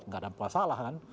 tidak ada masalah kan